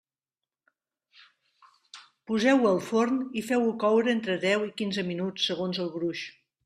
Poseu-ho al forn i feu-ho coure entre deu i quinze minuts, segons el gruix.